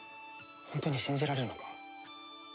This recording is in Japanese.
本当に信じられるのか？